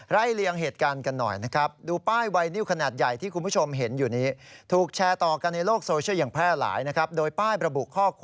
เลียงเหตุการณ์กันหน่อยนะครับ